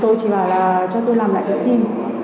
tôi chỉ bảo là cho tôi làm lại cái sim